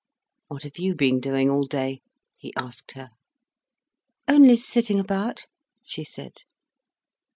"What have you been doing all day?" he asked her. "Only sitting about," she said.